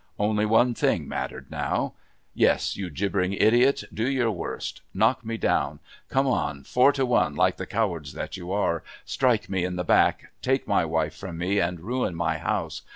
Only one thing mattered now. "Yes, you gibbering idiots, do your worst; knock me down. Come on four to one like the cowards that you are, strike me in the back, take my wife from me, and ruin my house.